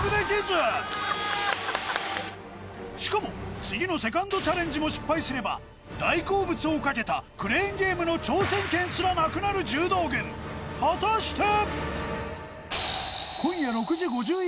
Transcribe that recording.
しかも次のセカンドチャレンジも失敗すれば大好物をかけたクレーンゲームの挑戦権すらなくなる柔道軍果たして？